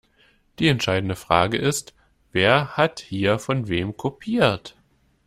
Die entscheidende Frage ist, wer hat hier von wem kopiert?